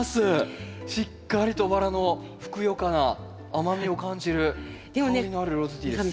しっかりとバラのふくよかな甘みを感じる香りのあるローズティーです。